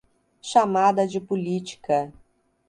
Chamada de política